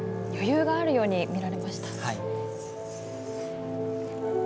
余裕があるように見えました。